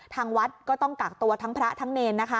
ทางวัดก็ต้องกักตัวทั้งพระทั้งเนรนะคะ